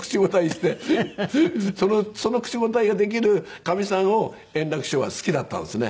その口答えができるかみさんを圓楽師匠は好きだったんですね。